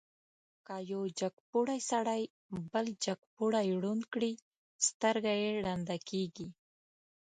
که یو جګپوړی سړی بل جګپوړی ړوند کړي، سترګه یې ړنده کېږي.